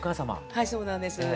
はいそうなんです。